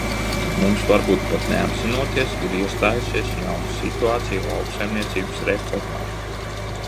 Mums, varbūt pat neapzinoties, ir iestājusies jauna situācija lauksaimniecības reformā.